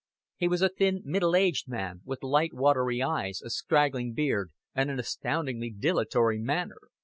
He was a thin middle aged man, with light watery eyes, a straggling beard, and an astoundingly dilatory manner.